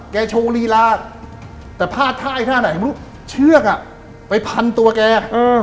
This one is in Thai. พี่โชครีระแต่พลาดท่าไอ้ท่าไหนเชือกอ่ะไปพันตัวเอง